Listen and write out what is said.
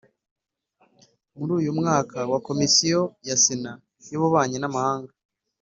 Muri uyu mwaka wa Komisiyo ya Sena y Ububanyi n Amahanga